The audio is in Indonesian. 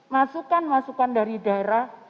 masukan masukan dari daerah